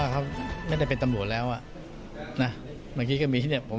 ครับยังไม่มีครับ